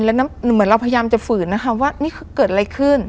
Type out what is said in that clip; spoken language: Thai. แล้วเหมือนเราพยายามจะฝืนนะคะว่านี่คือเกิดอะไรขึ้น